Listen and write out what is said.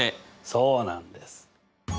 そうなんです。